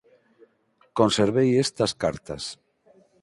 Conservei estas cartas.